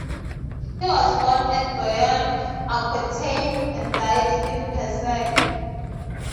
He was born at Bayonne, Aquitaine, and died in Pessac.